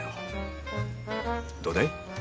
どうだい？